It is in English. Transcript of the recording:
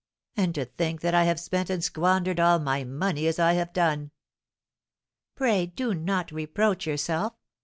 "And to think that I have spent and squandered all my money as I have done!" "Pray do not reproach yourself.